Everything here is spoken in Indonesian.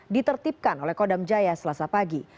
ditertibkan oleh kodam jaya selasa pagi